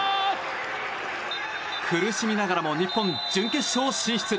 苦しみながらも日本、準決勝進出。